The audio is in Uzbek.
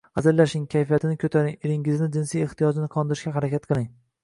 Hazillashing, kayfiyatini ko‘taring, eringizning jinsiy ehtiyojini qondirishga harakat qiling.